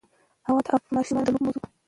هوا د افغان ماشومانو د لوبو موضوع ده.